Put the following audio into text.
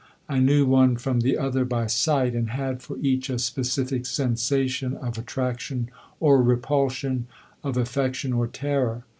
I knew one from the other by sight, and had for each a specific sensation of attraction or repulsion, of affection or terror.